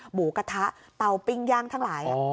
หมูกระทะเตาปิ้งย่างทั้งหลาย